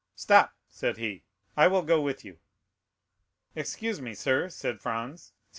"Stop," said he; "I will go with you." "Excuse me, sir," said Franz, "since M.